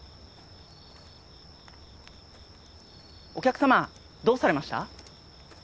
お客様どうされました？